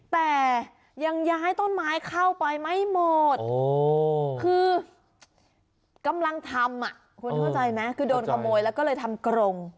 แต่ยังย้ายต้นไม้เข้าไปไม่หมดคือกำลังทำคุณเข้าใจไหมคือโดนขโมยแล้วก็เลยทำกรง